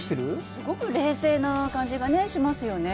すごく冷静な感じがしますよね。